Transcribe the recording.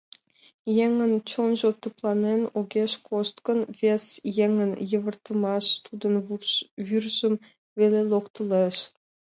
Еҥын чонжо тыпланен огеш кошт гын, вес еҥын йывыртымаш тудын вӱржым веле локтылеш.